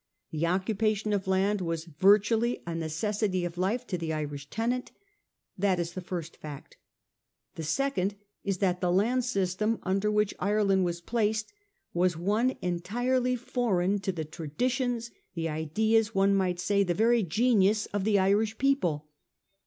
The occupation of land was virtually a necessity of life to the Irish tenant. That is the first fact. The second is that the land system under which Ireland was placed was one entirely foreign to the traditions, the ideas, one might say the very genius of the Irish people.